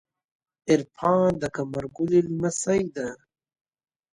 عرفان د قمر ګلی لمسۍ ده.